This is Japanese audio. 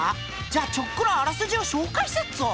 じゃあちょっくらあらすじを紹介すっぞ！